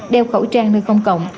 đeo khẩu trang nơi công cộng